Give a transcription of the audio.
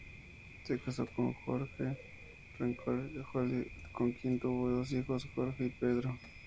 Se casó con Jorge Rencoret Holley, con quien tuvo dos hijos, Jorge y Pedro.